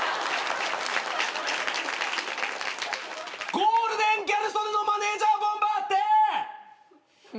ゴールデンギャル曽根のマネジャーボンバーって！！